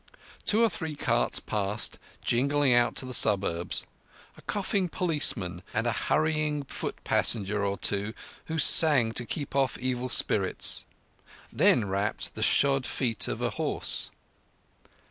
Two or three carts passed, jingling out to the suburbs; a coughing policeman and a hurrying foot passenger or two who sang to keep off evil spirits. Then rapped the shod feet of a horse.